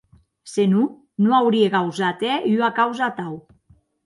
Se non, non aurie gausat hèr ua causa atau.